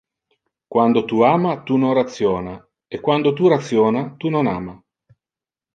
Quando tu ama tu non rationa e quando tu rationa tu non ama.